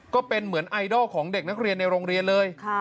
ก็เป็นเหมือนไอดอลของเด็กนักเรียนในโรงเรียนเลย